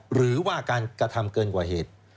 หรือว่าการกระทำเกินกว่าเหตุ